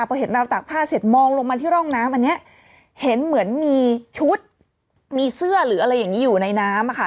พอเห็นราวตากผ้าเสร็จมองลงมาที่ร่องน้ำอันนี้เห็นเหมือนมีชุดมีเสื้อหรืออะไรอย่างนี้อยู่ในน้ำอะค่ะ